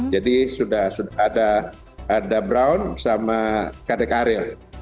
jadi sudah ada brown sama kadek arel